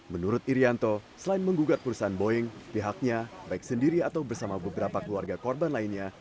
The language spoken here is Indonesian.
menurut irianto selain menggugat perusahaan boeing pihaknya baik sendiri atau bersama beberapa keluarga korban lainnya